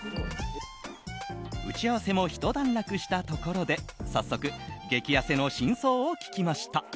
打ち合わせもひと段落したところで早速、激痩せの真相を聞きました。